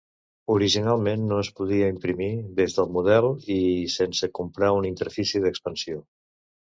Originalment, no es podia imprimir des del Model I sense comprar una Interfície d'Expansió.